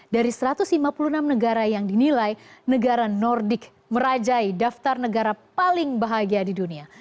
dari satu ratus lima puluh enam negara yang dinilai negara nordik merajai daftar negara paling bahagia di dunia